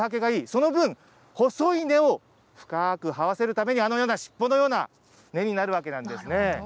その分、細い根を深ーくはわせるために、あのような尻尾のような根になるわけですね。